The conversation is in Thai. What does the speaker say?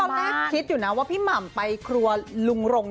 ที่ตอนแรกคิดอยู่นะว่าพี่หม่ำไปครัวลุง